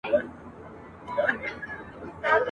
اجازه ورکړئ چي ماشومان خپل راتلونکي ته کار وکړي.